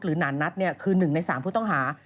หรือนานนัทเนี่ยคือ๑ใน๓ผู้ต้องหา